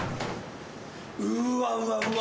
うわうわうわ。